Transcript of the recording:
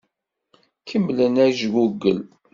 Kemmlem ajgugel.